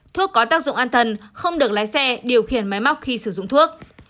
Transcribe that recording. thuốc có tác dụng an thần không được lái xe điều khiển máy móc khi sử dụng thuốc